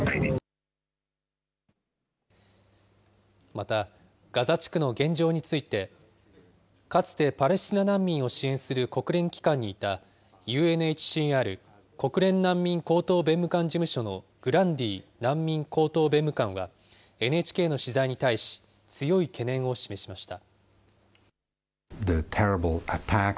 また、ガザ地区の現状について、かつてパレスチナ難民を支援する国連機関にいた、ＵＮＨＣＲ・国連難民高等弁務官事務所のグランディ難民高等弁務官はＮＨＫの取材に対し、強い懸念を示しました。